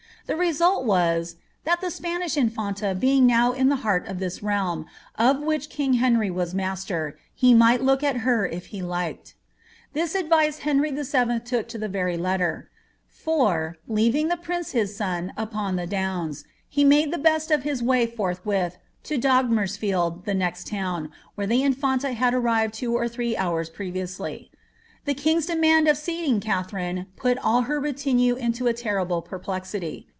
The result was, ^ that the Spanish inumta being now in the heart of this realm, of which king Henry was master, he might look at her if he liked.'' This advice Henry VII. took to the very letter ; for, leaving the prince his son upon the downs, he made the best of his way forthwith to Dogmerslield, the next town, where the infanta had arrived two or three hours previously. The king's demand of seeing Katharine put all her retinue into a terrible perplexity.